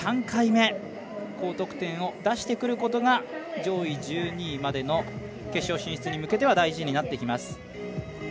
３回目高得点を出してくることが上位１２位までの決勝進出に向けては大事になってきます。